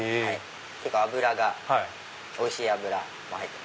結構脂がおいしい脂も入ってます。